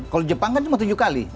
kalau jepang kan cuma tujuh kali